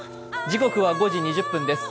時刻は５時２０分です。